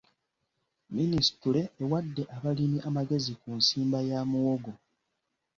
Minisitule ewadde abalimi amagezi ku nsimba ya muwogo.